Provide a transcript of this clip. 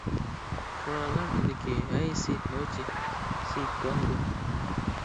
پۇقرالار دېدىكى: ھەي سېيىت نوچى، سېيىت گاڭگۇڭ!